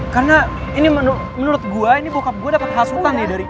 karena ini menurut gue ini bokap gue dapat hasutan nih